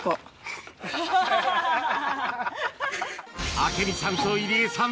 あけみさんと入江さん